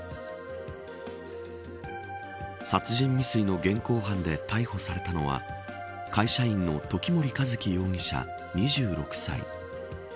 殺人未遂の現行犯で逮捕されたのは会社員の時森一輝容疑者２６歳。